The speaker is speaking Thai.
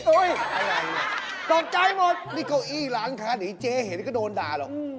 อุ๊ยต่อใจหมดนี่ก้าวอี้หลังคานี่เจ๊เห็นก็โดนด่าหรอก